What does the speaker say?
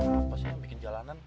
apa sih yang bikin jalanan